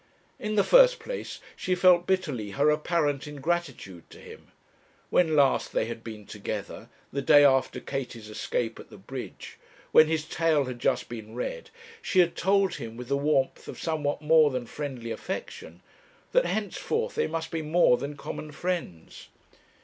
In the first place, she felt bitterly her apparent ingratitude to him. When last they had been together, the day after Katie's escape at the bridge, when his tale had just been read, she had told him, with the warmth of somewhat more than friendly affection, that henceforth they must be more than common friends.